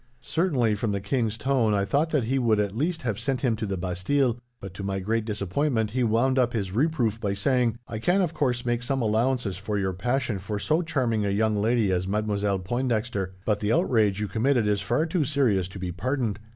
Certainly, from the king's tone, I thought that he would at least have sent him to the Bastille; but, to my great disappointment, he wound up his reproof by saying: "'I can, of course, make some allowances for your passion for so charming a young lady as Mademoiselle Pointdexter, but the outrage you committed is far too serious to be pardoned.